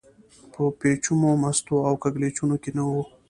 په پېچومو، مستو او کږلېچونو کې نه و.